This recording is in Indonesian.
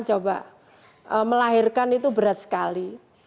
coba melahirkan itu berat sekali